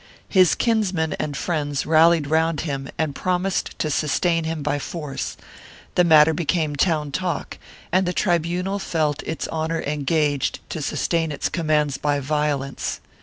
His kinsmen and friends rallied around him and promised to sustain him by force; the matter became town talk and the tribunal felt its honor engaged to sustain its commands by violence.